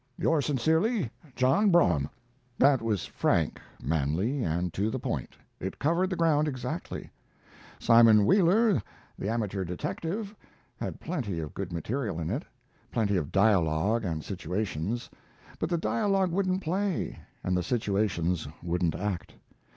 Yours sincerely, JOHN BROUGHAM. That was frank, manly, and to the point; it covered the ground exactly. "Simon Wheeler, the Amateur Detective," had plenty of good material in it plenty of dialogue and situations; but the dialogue wouldn't play, and the situations wouldn't act.